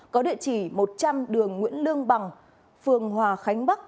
có địa chỉ một trăm linh đường nguyễn lương bằng phường hòa khánh bắc